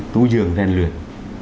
tú dường đen luyệt